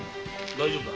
大丈夫だ。